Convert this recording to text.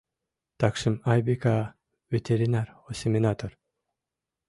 Такшым Айвика — ветеринар-осеменатор.